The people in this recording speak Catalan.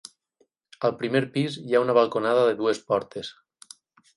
Al primer pis hi ha una balconada de dues portes.